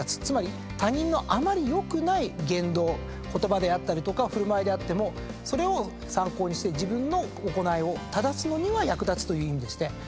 つまり他人のあまり良くない言動言葉であったりとか振る舞いであってもそれを参考にして自分の行いを正すのには役立つという意味でして。